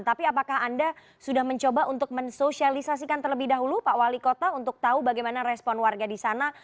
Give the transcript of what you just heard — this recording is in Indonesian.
tapi apakah anda sudah mencoba untuk mensosialisasikan terlebih dahulu pak wali kota untuk tahu bagaimana respon warga di sana